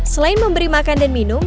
selain memberi makan dan minum